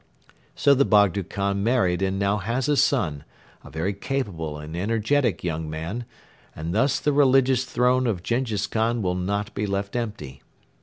So the Bogdo Khan married and now has a son, a very capable and energetic young man, and thus the religious throne of Jenghiz Khan will not be left empty.